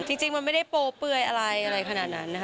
จริงมันไม่ได้โปรเปื่อยอะไรอะไรขนาดนั้นนะคะ